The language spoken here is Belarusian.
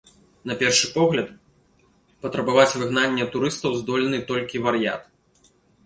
На першы погляд, патрабаваць выгнання турыстаў здольны толькі вар'ят.